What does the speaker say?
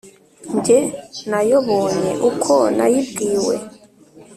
Jye nayobonye ukwo nayibwiwe